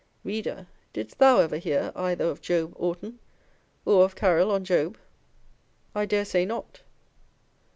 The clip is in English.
Reader, didst thou ever hear either of Job Orton or of Caryl on Job ? I dare say not.